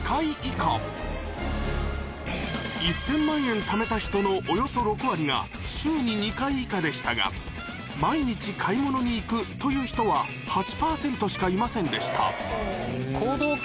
１０００万円貯めた人のおよそ６割が週に２回以下でしたが毎日買い物に行くという人は８％しかいませんでした行動